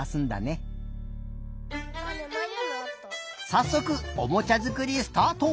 さっそくおもちゃづくりスタート！